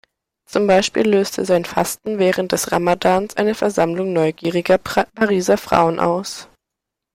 Zum Beispiel löste sein Fasten während des Ramadans eine Versammlung neugieriger Pariser Frauen aus.